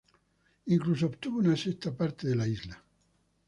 Incluso obtuvo una sexta parte de la isla.